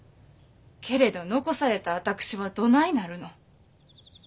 けれど残された私はどないなるの？